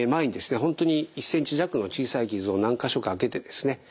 本当に１センチ弱の小さい傷を何か所かあけてですね